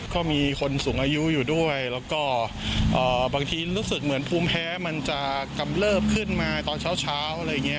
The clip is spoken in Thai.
ก็มีคนสูงอายุอยู่ด้วยแล้วก็บางทีรู้สึกเหมือนภูมิแพ้มันจะกำเลิบขึ้นมาตอนเช้าอะไรอย่างนี้